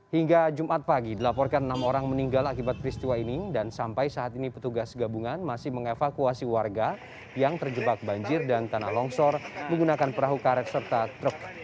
hingga jumat pagi dilaporkan enam orang meninggal akibat peristiwa ini dan sampai saat ini petugas gabungan masih mengevakuasi warga yang terjebak banjir dan tanah longsor menggunakan perahu karet serta truk